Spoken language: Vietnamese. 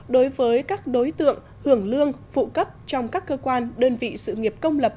đối với các đối tượng hưởng lương phụ cấp trong các cơ quan đơn vị sự nghiệp công lập